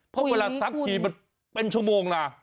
เพราะเวลาซักทีมันเป็นชั่วโมงนะ